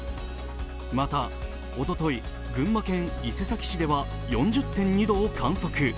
また、おととい、群馬県伊勢崎市では４０．２度を観測。